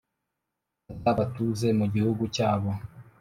azabatuze mu gihugu cyabo.